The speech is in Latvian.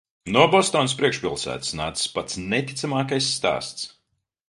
No Bostonas priekšpilsētas nācis pats neticamākais stāsts.